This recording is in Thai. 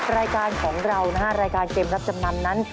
รายการของเรานะฮะรายการเกมรับจำนำนั้น